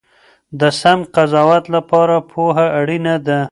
د سم قضاوت لپاره پوهه اړینه ده.